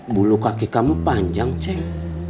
bulu kaki kamu panjang ceng